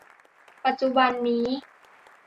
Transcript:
ปัจจุบันนี้